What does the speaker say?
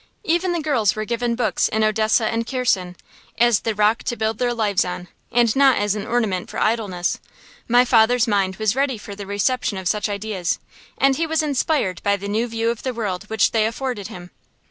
Even the girls were given books in Odessa and Kherson, as the rock to build their lives on, and not as an ornament for idleness. My father's mind was ready for the reception of such ideas, and he was inspired by the new view of the world which they afforded him.